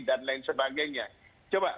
dan lain sebagainya coba